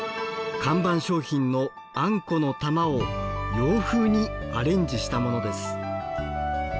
看板商品のあんこの玉を洋風にアレンジしたものです。